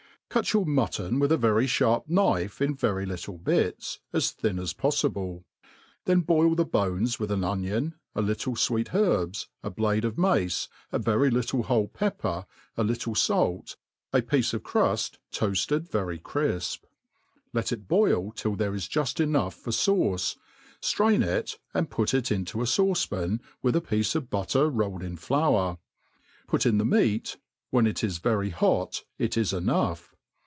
CUT your mutton with a very (harp knife in very little bits> as thin as poffible; then boil the bones with an onion, a little fweet herbs, a blade of mace, a very little whole pepper, a little fait, a piece of cruft toaft(^d very crifp : let it boil till there is juft enough for fauce, ftrain it, and put it into a fauce pan, with a piece of butter rolled in flour ; put in the meat, when it is very hot it is enough.